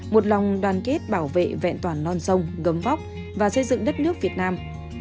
một lòng đoàn kết bảo vệ vẹn toàn non sông gấm vóc và xây dựng đất nước việt nam